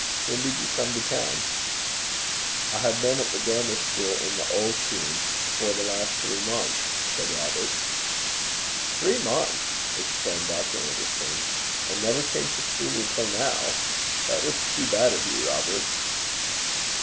'When did you come to town?' 'I hae been at the grammer school i' the auld toon for the last three months,' said Robert. 'Three months!' exclaimed Dr. Anderson. 'And never came to see me till now! That was too bad of you, Robert.'